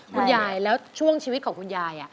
คุณยายแล้วช่วงชีวิตของคุณยาย